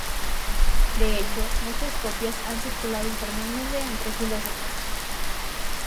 De hecho, muchas copias han circulado informalmente entre filósofos.